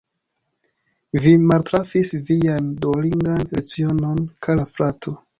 Vi maltrafis vian duolingan lecionon, kara frato.